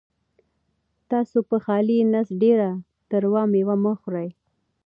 تاسو په خالي نس ډېره تروه مېوه مه خورئ.